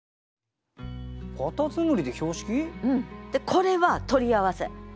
これは取り合わせ。